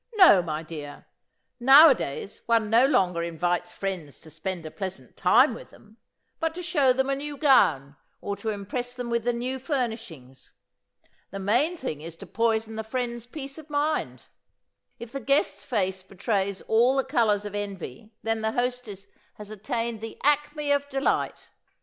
No, my dear! Nowadays one no longer invites friends to spend a pleasant time with them, but to show them a new gown or to impress them with the new furnishings. The main thing is to poison the friend's peace of mind. If the guest's face betrays all the colours of envy then the hostess has attained the acme of delight.